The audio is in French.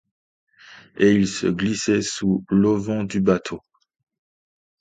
Et ils se glissaient sous l'auvent du bateau.